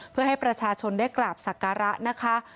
เพื่อให้ประชาชนได้กราบศักระนะคะ